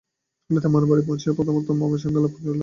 কলিকাতায় মামার বাড়ি পৌঁছিয়া প্রথমত মামির সঙ্গে আলাপ হইল।